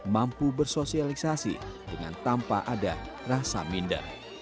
mampu bersosialisasi dengan tanpa ada rasa minder